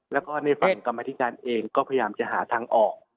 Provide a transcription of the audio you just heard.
แล้วก็ในฝั่งกรรมธิการเองก็พยายามจะหาทางออก